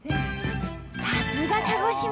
さすが鹿児島！